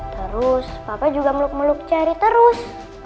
terus papa juga meluk meluk cari terus